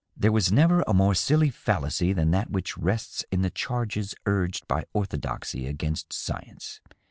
" There was never a more silly fallacy than that which rests in the charges urged by orthodoxy against science.